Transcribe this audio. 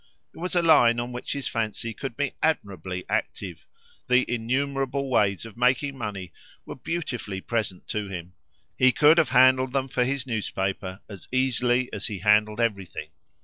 It was a line on which his fancy could be admirably active; the innumerable ways of making money were beautifully present to him; he could have handled them for his newspaper as easily as he handled everything.